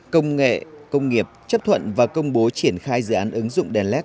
công nghệ công nghiệp chấp thuận và công bố triển khai dự án ứng dụng đèn led